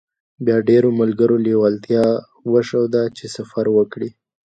بيا ډېرو ملګرو لېوالتيا وښوده چې سفر وکړي.